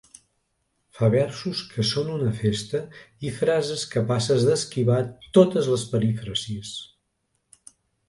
Fa versos que són una festa i frases capaces d'esquivar totes les perífrasis.